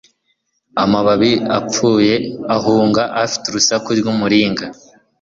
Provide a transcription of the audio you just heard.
Amababi yapfuye ahunga afite urusaku rw'umuringa